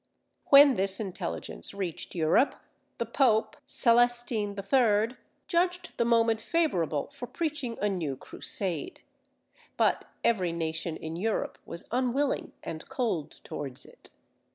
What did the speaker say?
When this intelligence reached Europe, the Pope, Celestine III., judged the moment favourable for preaching a new Crusade. But every nation in Europe was unwilling and cold towards it.